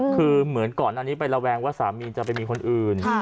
คือเหมือนก่อนอันนี้ไประแวงว่าสามีจะไปมีคนอื่น